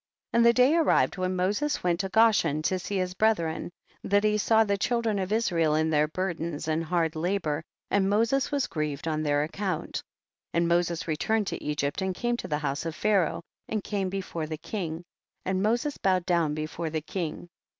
41. And the day arrived when Moses went to Goshen to see his brethren, that he saw the children of Israel in their burdens and hard la bor, and Moses was grieved on their account. 42. And Moses returned to Egypt and came to the house of Pharaoh, and came before the king, and Moses bowed down before the king.